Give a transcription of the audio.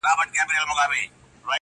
o چي نې غواړم، مې را پېښوې٫